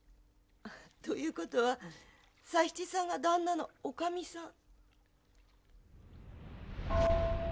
という事は佐七さんが旦那のお内儀さん？